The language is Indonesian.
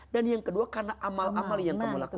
dan yang kedua karena amal amal yang kamu lakukan